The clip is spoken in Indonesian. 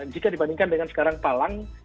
jika dibandingkan dengan sekarang palang